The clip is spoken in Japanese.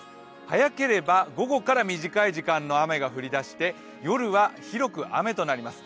早ければ午後から短い時間の雨が降りだして夜は広く雨となります。